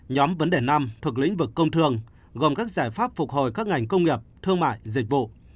nhóm vấn đề năm thuộc lĩnh vực công thương gồm các giải pháp phục hồi các ngành công nghiệp thương mại dịch vụ